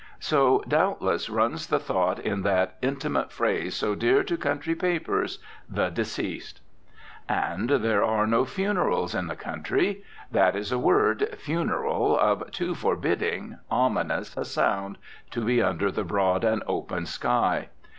So, doubtless, runs the thought in that intimate phrase so dear to country papers, "the deceased." And there are no funerals in the country. That is a word, funeral, of too forbidding, ominous, a sound to be under the broad and open sky.